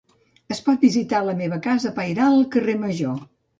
Es pot visitar la meva casa pairal al carrer Major.